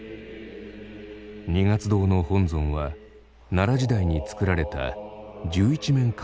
二月堂の本尊は奈良時代につくられた十一面観音菩像。